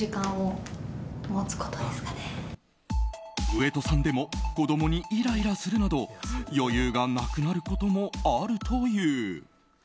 上戸さんでも子供にイライラするなど余裕がなくなることもあるという。